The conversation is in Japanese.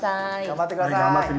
頑張って下さい。